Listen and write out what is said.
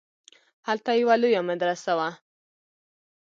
هلته يوه لويه مدرسه وه.